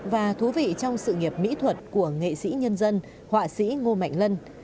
và thú vị trong sự nghiệp mỹ thuật của nghệ sĩ nhân dân họa sĩ ngô mạnh lân